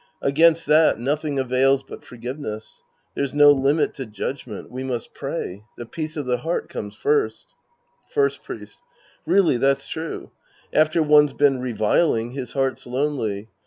Against that, nothing avails but forgiveness. There's no limit to judg ment. We must pray. The peace of the heart comes first. First Priest. Really that's true. After one's been reviling, his heart's lonely.